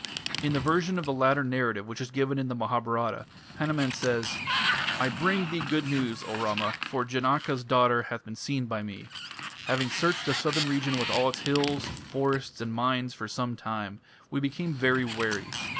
In the version of the latter narrative which is given in the Mahabharata, Hanuman says: "I bring thee good news, O Rama; for Janaka's daughter hath been seen by me. Having searched the southern region with all its hills, forests, and mines for some time, we became very weary.